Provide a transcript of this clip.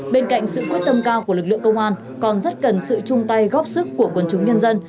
bên cạnh sự quyết tâm cao của lực lượng công an còn rất cần sự chung tay góp sức của quần chúng nhân dân